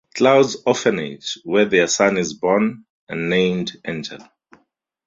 Cloud's Orphanage, where their son is born and named Angel.